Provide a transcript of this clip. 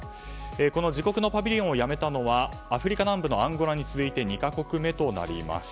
この自国のパビリオンをやめたのはアフリカ南部のアンゴラを含め２か国目です。